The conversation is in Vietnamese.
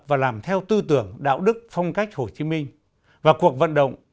và làm theo tư tưởng đạo đức phong cách hồ chí minh và cuộc vận động